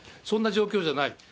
そんな状況じゃない。